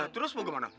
terus mau kemana